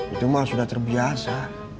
itu mah sudah terbiasa